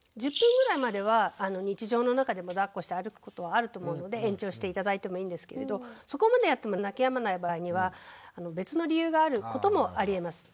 １０分ぐらいまでは日常の中でもだっこして歩くことはあると思うので延長して頂いてもいいんですけれどそこまでやっても泣きやまない場合には別の理由があることもありえます。